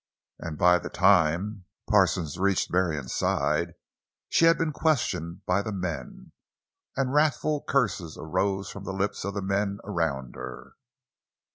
And by the time Parsons reached Marion's side she had been questioned by the men. And wrathful curses arose from the lips of men around her.